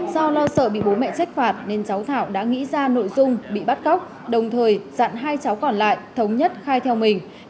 do lo sợ bị bố mẹ trách phạt nên cháu thảo đã nghĩ ra nội dung bị bắt cóc đồng thời dặn hai cháu còn lại thống nhất khai theo mình